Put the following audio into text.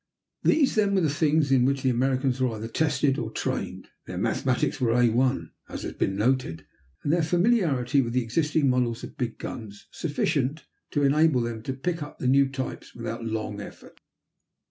These, then, were the things in which the Americans were either tested or trained. Their mathematics were A1, as has been noted, and their familiarity with existing models of big guns sufficient to enable them to pick up the new types without long effort.